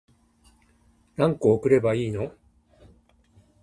何個送ればいいの